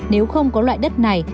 nếu không có loại đất này